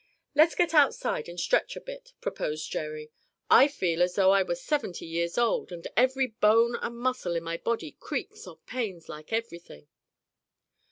"Let's get outside and stretch a bit," proposed Jerry. "I feel as though I were seventy years old, and every bone and muscle in my body creaks or pains like everything."